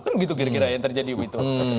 kan gitu kira kira yang terjadi waktu itu